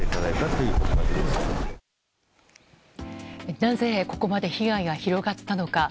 なぜ、ここまで被害が広がったのか。